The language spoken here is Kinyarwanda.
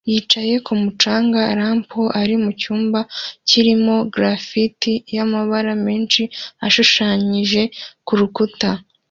yicaye kumu canga ramp iri mucyumba kirimo graffti y'amabara menshi ashushanyije kurukuta